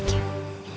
aku tidak sakit